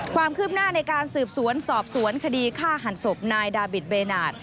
ความคืบหน้าในการสืบสวนสอบสวนคดีฆ่าหันศพนายดาบิตเบนาท